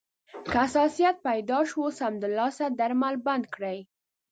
که حساسیت پیدا شو، سمدلاسه درمل بند کړئ.